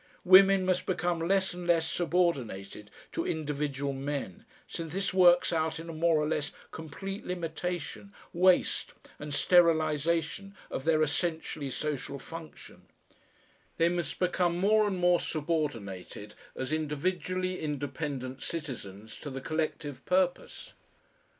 Women must become less and less subordinated to individual men, since this works out in a more or less complete limitation, waste, and sterilisation of their essentially social function; they must become more and more subordinated as individually independent citizens to the collective purpose.